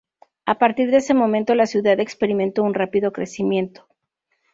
A partir de ese momento, la ciudad experimentó un rápido crecimiento.